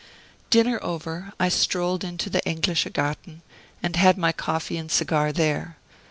Dinner over, I strolled into the Englische Garten, and had my coffee and cigar there.